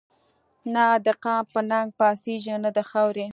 نه دقام په ننګ پا څيږي نه دخاوري